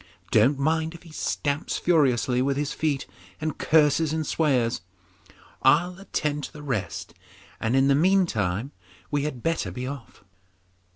Don't mind if he stamps furiously with his feet and curses and swears. I'll attend to the rest, and in the meantime we had better be off.